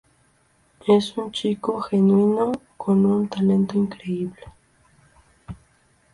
Es un chico genuino, con un talento increíble.